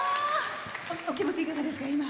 お気持ち、いかがですか？